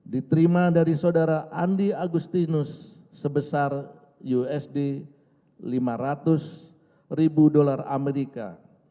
diterima dari saudara andi agustinus sebesar usd lima ratus ribu dolar amerika